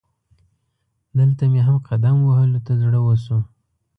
دلته مې هم قدم وهلو ته زړه وشو.